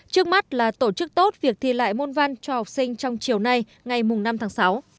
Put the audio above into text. trước mắt là tổ chức tốt việc thi lại môn văn cho học sinh trong chiều nay ngày năm tháng sáu